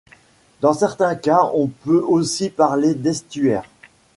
Dans certains cas on peut aussi parler d'estuaire.